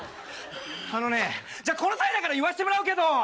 あのねじゃあこの際だから言わせてもらうけど！